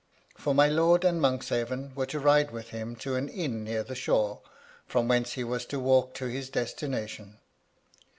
For my lord and Monkshaven were to ride with him to an inn near the shore, from whence he was to walk to his destination.